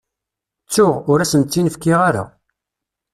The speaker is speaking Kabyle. Ttuɣ, ur asent-tt-in-fkiɣ ara.